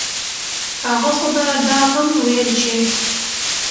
هغه خو به دا هم وييل چې